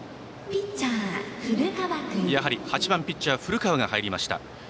やはり８番ピッチャー古川が入りました。